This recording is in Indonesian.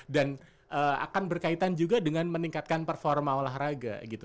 dan akan berkaitan juga dengan meningkatkan performa olahraga gitu